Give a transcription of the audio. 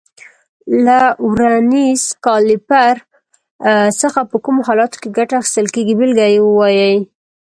له ورنیز کالیپر څخه په کومو حالاتو کې ګټه اخیستل کېږي بېلګه ووایئ.